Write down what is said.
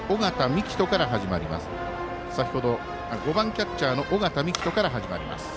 ５番キャッチャー尾形樹人から、始まります。